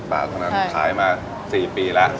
บาทเท่านั้นขายมา๔ปีแล้ว